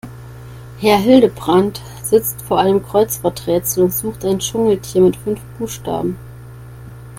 Herr Hildebrand sitzt vor einem Kreuzworträtsel und sucht ein Dschungeltier mit fünf Buchstaben.